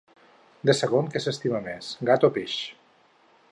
De segon què s'estima més, gat o peix?